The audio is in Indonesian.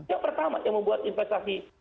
yang pertama yang membuat investasi